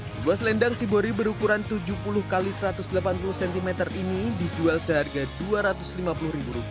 sebuah selendang cibori berukuran tujuh puluh x satu ratus delapan puluh cm ini dijual seharga rp dua ratus lima puluh